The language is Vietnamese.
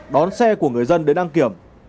đón xe của người dân đến đăng kiểm